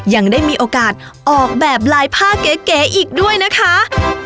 ยังได้มีโอกาสออกแบบลายผ้าเก๋อีกด้วยนะคะ